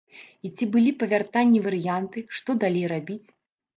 І ці былі па вяртанні варыянты, што далей рабіць?